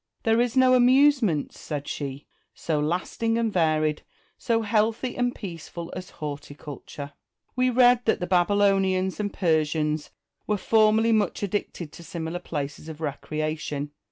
"There is no amusement," said she, "so lasting and varied, so healthy and peaceful, as horticulture." We read that the Babylonians and Persians were formerly much addicted to similar places of recreation.